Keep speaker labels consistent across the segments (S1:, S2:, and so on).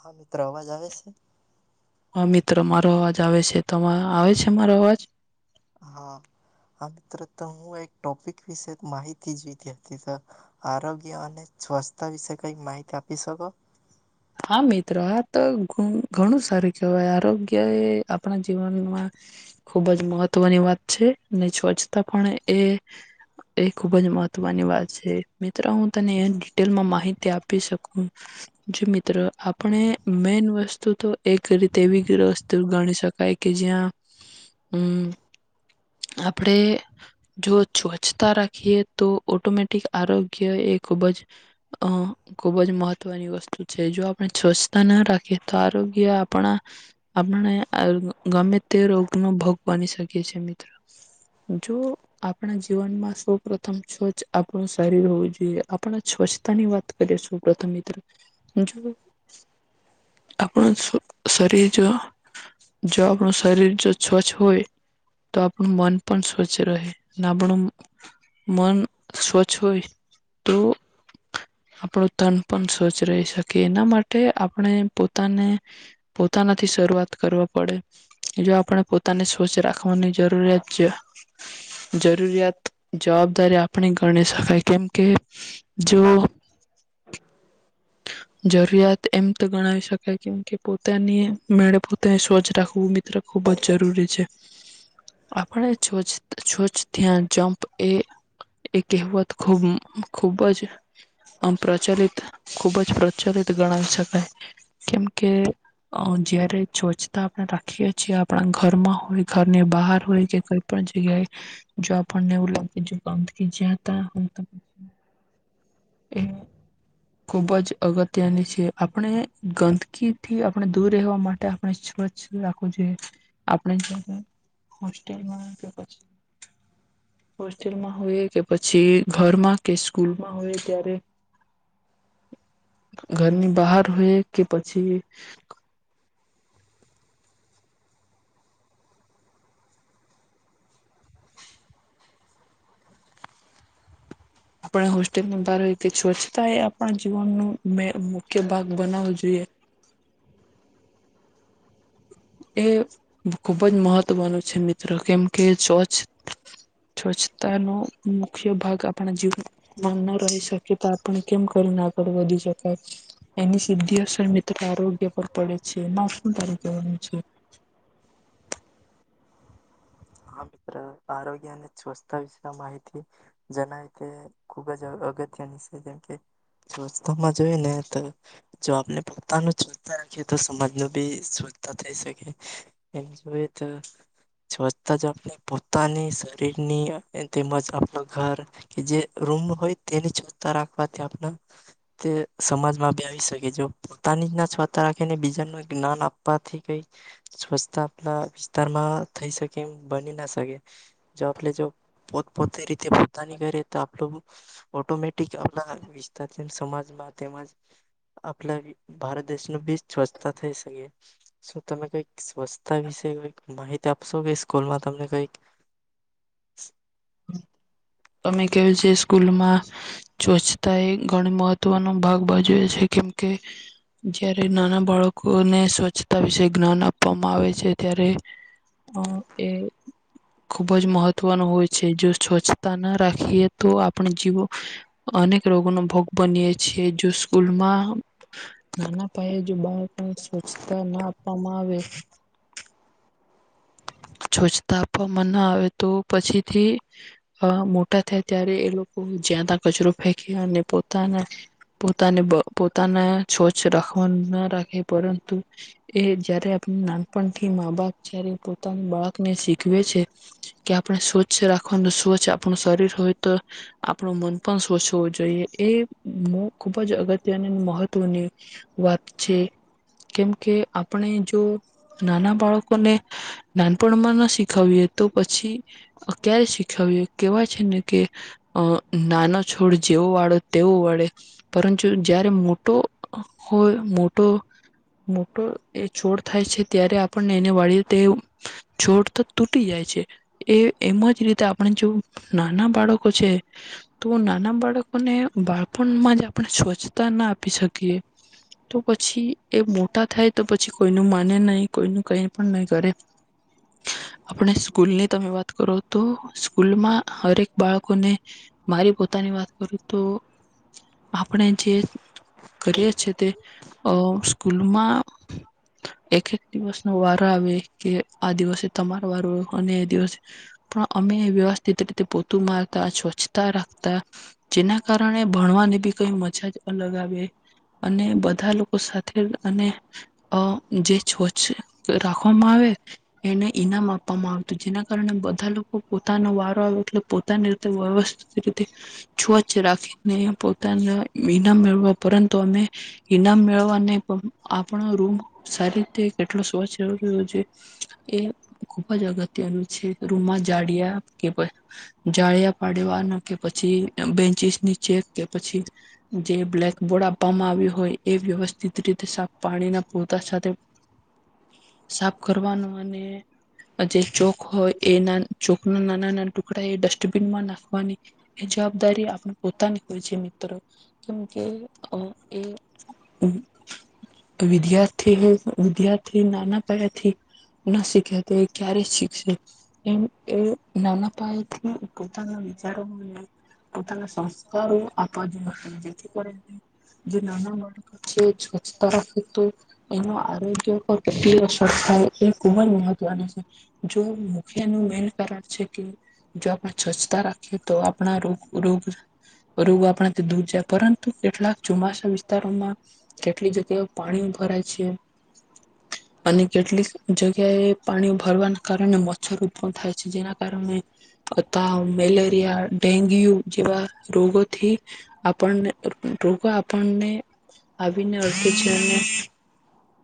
S1: હા મિત્રો અવાજ આવે છે
S2: હા મિત્રો મારો અવાજ આવે છે તો આવે છે મારો અવાજ
S1: હા હ મિત્રો તો હું એક ટોપિક વિશે માહિતી જીધી હતી તો આરોગ્ય અને સ્વસ્થતા વિશે કઈ માહિતી આપી શકો
S2: હા મિત્રો આ તો ઘણું સારું કહેવાય આરોગ્ય એ આપણા જીવનમાં ખુબ જ મહત્વની વાત છે સ્વચ્છતા પણ એ એ ખૂબ જ મહત્વની વાત છે મિત્રો હું તને ડિટેલમાં માહિતી આપી શકું મ આપણે મેન વસ્તુ તો એક રીતે એવી વસ્તુ ગણી શકાય કે જ્યાં હમ આપણે જો સ્વચ્છતા રાખીએ તો ઓટોમેટિક આરોગ્ય એ ખુબ જ અ ખુબ જ મહત્વની વસ્તુ છે જો આપણે સ્વચ્છતા ના રાખીએ તો આરોગ્ય આપણા આપણને ગમે તે રોગનોો ભોગ બની શકીએ છીએ્ર જો આપણા જીવનમાં સૌપથમ સ્વચ્છ આપણું શરીર હોવું જોઈએ આપણા સ્વચ્છતાની વાત કરીએ સૌપથમ મિત્ર જો આપણ શરીર જો જો આપણું શરીર જો સ્વચ્છ હોય તો આપણું મન પણ સ્વચ્છ રહે અને આપણું મન સ્વચ્છ હોય તો આપણું તન પણ સ્વચ્છ રહી શકીએ એના માટે આપણે પોતાને પોતાનાથી શરૂઆત કરવા પડે જો આપણે પોતાને સ્વચ્છ રાખવાની જરૂરિયાત છે જરૂરિયાત જવાબદારી આપણી ગણી ાય કેમ કે જો જરૂરિયાત એમ તો ગણાવી શકાય કેમ કે પોતાની મેળે પોતાને સ્વચ્છ રાખવું ખૂબ જ જરૂરી છે આપણે છો ત્યા જમપ એ એ કહેવત ખૂબ ખૂબ જ પ્રચલિત ખુબ જ પ્રચલિત ગણાવી શકાય કેમ કે જયારે સ્વચછતા આપણે રાખીએ છીએ આપણા ઘરમાં હોય ઘરની બહાર હોય કે કોઈ પણ જગ્યાએ જો આપણને એવું લાગે જો ગંદકી જતા એ ખૂબ જ અગત્યની છે આપણે ગંદકીથી આપણે દૂર રહેવા માટે આપણે સ્વચ્છ રાખવું જોઈએ આપણે હોસ્ટેલમાં હોસ્ટેલમાં હો કે પછી ઘરમાં કે સ્કૂલમાં હોય ત્યારે ઘરની બહાર હોય કે પછી આપણે હોસ્ટેલમાં ભાર સ્વચ્છતા એ આપણા જીવનનું મુખ્ય ભાગ બનાવવો જોઈએ એ ખૂબ જ મહત્વનું છે મિત્રો કેમ કે સ્વચછ સ્વચ્છતાનો મુખ્ય ભાગ આપણા જીવ ના ન રહી શકે ત પણ કેમ કરીને આગળ વધી શકાય એની સીધી અસર મિત્રો આરોગ્ય પર પડે છે શું તારી તોનું છે
S1: હા મિત્ર આરોગ્ય અને સ્વચ્તા વિશે માહિતી જણાવ તે ખુબ જ અગત્યની છે જેમકે સ્વચ્છતામાં જોઈ ને તો જો આપને પોતાનું સ્ચ્ રાખીએ તો સમાજ ન બી સ્વચ્છતા થઈ શકે એમ જોઈએ તો જ આપણે પોતાની શરીરની તેમજ આપણા ઘર કે જે રૂમ હોય તેને છતા રાખવાથી આપણા તે સમાજમાં બ આવી શકે જો પોતાની જ ના છતા રાખીને બીજાનું જ્ઞાન આપવાથી કઈ સ્વચ્છતા આપણા વિસ્તારમાં થઈ શકે ના આપણે જો પોતપોતે રીતે પોતાની કરીએ તો આપણું ઓટોમેટિક આપ વિસ્તાર સમાજમાં તેમજ આપ ભારત દેશનું બી સ્વચ્છતા થઈ શકે શું તમે કઈક સ્વચ્છતા વિશે માહિતી આપશો કે સ્કૂલમાં તમને કઈક
S2: અમે ક છે સ્કૂલમાં સ્વચ્છતા એ ઘણી મહત્વનો ભાગ બાજવે છે કેમ કે જયારે નાના બાળકોને સ્વચ્છતા વિશે જ્ઞાન આપવામાં આવે છે ત્યારે એ ખુબ જ મહત્વનું હોય છે જો સ્વચ્છ ના રાખીએ તો આપણે જીવો અનેક રોગોનો ભોગ બનીએ છીએ જો સ્કૂલમાં નાના પાયે જો બાળકને સ્વચ્છતા ના આપવામાં આવે છવછતા આપવામાં ના આવે તો પછીથી મોટા થયા ત્યારે એ લોકો જ્યાં ત્યાં કચરો ફેંકે અને પોતાના પોતાને પોતાના છોછ રાખવા ના રાખે પરંતુ એ જય્યારે આપ નાનપણથી મા બાપ જ્યારે બાળકને શીખવે છે કે આપણે સ્વચ્છ રાખવાનું સ્વચ્છ આપણું શરીર હોય તો આપણું મન પણ સ્વચ્છ હોવું જોઈએ એ ખુબ જ અગત્યની મહત્વની વાત છે કેમ કે આપણે જો નાના બાળકોને નાનપણમાં ના શીખાવીએ તો પછી ક્યારે શીખાવએ કહેવાય છે ને કે નાનો છોડ જેવો વાળો તેવો વાળે પરંતુ જ્યારે મોટો હોય મોટો મોટો એ છોડ થાય છે ત્યારે આપણને એને વાળીએ તે જોડ તો તૂટી જાય છે એ એમ જ રીતે આપણે જો નાના બાળકો છે તો નાના બાળકોને બાળપણમાં જ આપણે સ્વચ્છતા ના આપી શકીએ તો પછી એ મોટા થાય તો પછી કોઈનું માને નહીં કોઈનું કઈ પણ નહી કરે આપણે સ્કૂલની તમે વાત કરો તો સ્કૂલમાં હરેક બાળકોને મારી પોતાની વાત કરું તો આપણે જે કરીએ છેએ તે સ્કૂલમાં એક એક દિવસનો વારો આવે કે આ તમાર વાળું અને એ દિવસે પણ અમે વ્યવસ્થિત રીતે પોતું મારતા સ્વચ્છતા રાખતા જેના કારણે ભણવાની બી કઈ મજા જ અલગ આવે અને બધા લોકો સાથે અને જે સ્વચ્છ રાખવામાં આવે એને ઈનામ આપવામાં આવતું જેના કારણે બધા લોકો પોતાનો વારો એટલે પોતાની રીતે વ્યવસ્થિત રીતે સ્વચ્છ રાખીને પોતાના ઈનામ મેળવા પરંતુ અમે ઈનામ મેળવવા નહી પણ આપણો રૂમ સારી રીતે કેટલો સ્વચ્છ રહ્યો છે એ ખુબ જ અગત્યનું છે રૂમમાં જાળિયા કે જાળિયા પાડવાનું કે પછી બેન્ચિસ ની ચેક કે પછી જે બ્લેકબોર્ડ આપવામાં આવ્યું હોય એ વ્યવસ્થિત રીતે સાફ પાણીના પરતા સાથે સાફ કરવાનું જે ચોક હોય એ ચોક ના નાના નાના ટુકડા એ ડસ્ટબીનમાં નાખવાની એ જવાબદારી આપણે પોતાની હોય છે મિત્રો કેમકે એ વિદ્યાર્થી વિદ્યાર્થી નાના પયાથી ના શીખે તો એ ક્યારે શીખશે એમ એ નાના પાયેથી પોતાના વિચારો પોતાના સંસ્કારું આપજ હત જે જે નાના બાળકો છે સ્વચ્છતા રાખે તો એનો આરોગ્ય પર કે અસર થાય એ. ખૂબ જ મહત્વનું છે જો મુખ્યનું મેન કારણ છે કે જો આપણે સ્વચ્છતા રાખીએ તો આપણાોગ રોગ રોગ આપણા દૂર જાય પરંતુ કેટલાક ચોમાસા વિસ્તારોમાં કેટલી જગ્યાઓ પાણી ભરાય છે અને કેટલીક જગ્યાએ પાણી ભરવાના કારણે મચ્છર ઉત્પન્ન થાય છે જેના કારણે તાવ મેલેરિયા ડેન્ગ્યુ જેવા રોગોથી આપણને રોગો આપણને આવીને અટકે છે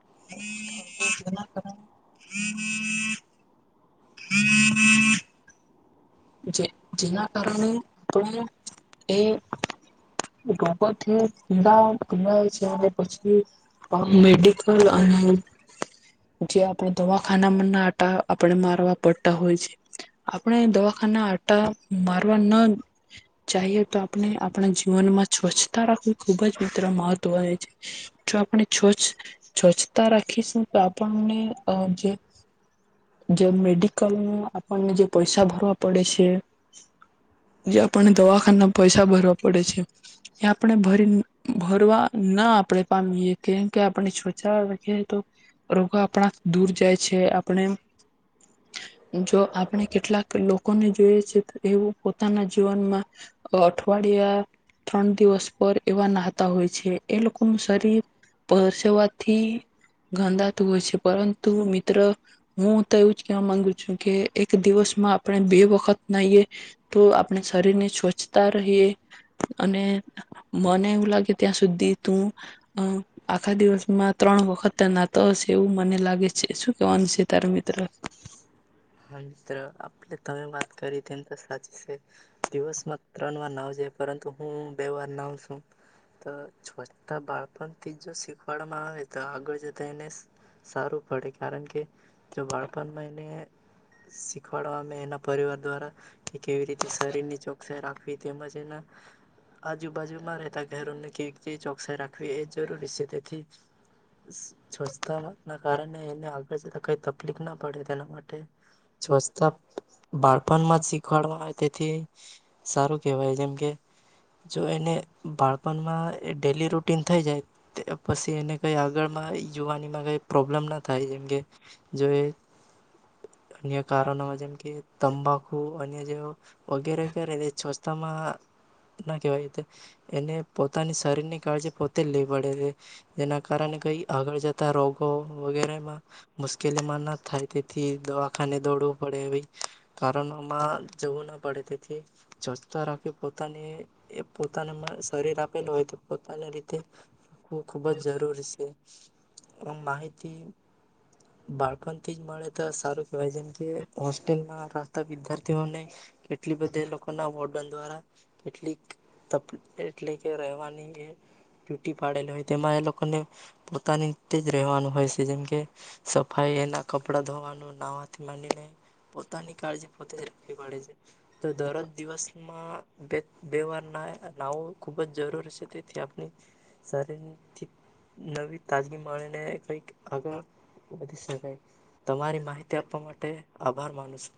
S2: [inaudible] [inaudible] જે જેના કારણે એ રોગોથી છે પછી મેડિકલ અને જે આપણે દવાખાનામાં ના આપણે મારવા પડતા હોય છે આપણે દવા ટા મારવા ન જઈએ તો આપણે આપણા જીવનમાં સ્વચ્છતા રાખવી ખુબ જ મિત્ર મહત્વ હો છે જો આપણે સ્વ્છ સ્વચ્છતા રાખીશું તો આપણને જે મેડિકલમાં આપણને જે પૈસા ભરવા પડે છે જે આપને દવાખા પૈસા ભરવા પડે છે આપણે ભરી ભરવા ના આપણે પામીએ કેમકે આપણે સ્્વચા તો રોગો આપણા દૂર જાય છે આપણે જો આપણે કેટલાક લોકો જો છે એવ પોતાના જીવનમાં અઠવાડિયા ત્રણ દિવસ પર એવા નાહતા હોય છે એ લોકોનુંું શરીર પરસેવાથી ગંદાતું હોય છે પરંતુ મિત્ર હું તો એવું જ કેવા માંગુ છું કે એક દિવસમાં પણ બે વખત ના એ તો આપણે શરીર ને સ્વચ્છતા રહીએ અને મને એવું લાગે ત્યાં સુધી તું આખા દિવસમાં ત્રણ વખત નાતો હશે એવું મને લાગે છે શું કેવાનું છે તારા મિત્ર
S1: હા મિત્ર આપણે તમે વાત કરી તેમમ તો સાચી છે દિવસમાં ત્રણ વાર ના આવજાય પરંતુ હું બે વાર ના આવ છું તો છોા બાળપણથી જો શીખવાડવામાં આવે તો આગળ જતા એને સારું પડે કારણ કે જો બાળપણમાં એને શીખવાડવા એના પરિવાર દ્વારા કે કેવી રીતે શરીર ની ચોકસાઈ રાખવી તેમજ એના આજુબાજુમાં રહેતા ઘરોને કેવી રીતે ચોકસાઈ રાખવી એ જરૂરી છે તેથી સ્વચ્છતા ના કારણે એને આગળ જતા કઈ તકલીફ ના પડે તેના માટે સ્ચતા બાળપણમાં જ શીખવાડવામાં આવે તેથી સારું કેહેવાય જેમકે જો એને બાળપણમાં ડેલી રૂટીન થઈ જાય પછી એને કઈ આગળમાં યુવાનીમાં કઈ પ્રોબ્લેમ ના થાય જેમકે જો એ અન્ય કારણોમાં જેમ કે તંબાકુ અન્ય જે વગેરે કરે છોસ્તામાં ના કહેવાય એને પોતાની શરીરની કાળજી પોતે જ લે પડે છે જેના કારણે કઈ આગળ જતા રોગો વગેરેમાં મુશ્કેલીમાં ના થાય તે થી દવાખાને દોડવું પડે એ કારણોમાં જવું ના પડે તેથી ચચતા રાખી પોતાને પોતાના શરીર આપેલું હોય તો પોતાની રીતે તે હું ખૂબ જ જરૂરી છે આ માહિતી બાળપણથી જ મળે સારું કહેવાય જેમ કે હોસ્ટેલ ના રસ્તા વિદારથી ઓને કેટલી બધા લોકો ના વ દ્વારા કેટલીક એટલે કે રહેવાની એ ડ્યુટી પાડેલી હોય તેમાં એ લોકોને પોતાની જ રહેવાનું હોય છે જેમ કે સફાઈ એના કપડા વાનું નાહવાથી માંનીને પોતાની કાળજી પોતે જ રાખવી પડે છે તો દરજ દિવસમાં બે બે વાર ના નાવો ખૂબ જ જરૂરી છે તેથી આપણી શરીરથી નવી તાજગી મળીને કઈક આગળ વધી શકાય તમારી માહિતી આપવા માટે આભાર માનું છ